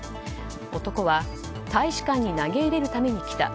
男は、大使館に投げ入れるために来た。